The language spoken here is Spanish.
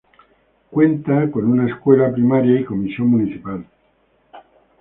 Cuenta con una escuela primaria y comisión municipal.